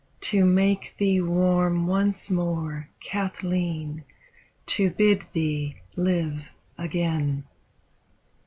To make thee warm once more, Kathleen, to bid thee live again.